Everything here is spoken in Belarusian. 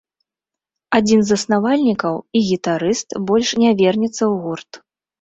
Адзін з заснавальнікаў і гітарыст больш не вернецца ў гурт.